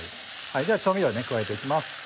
では調味料加えていきます。